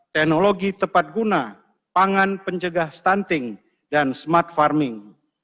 teknologi tepat guna pangan pencegah stunting dan smart farming